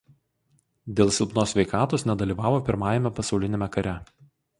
Dėl silpnos sveikatos nedalyvavo Pirmajame pasauliniame kare.